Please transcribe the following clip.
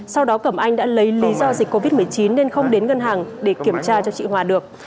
sau đó cẩm anh đã lấy lý do dịch covid một mươi chín nên không đến ngân hàng để kiểm tra cho chị hòa được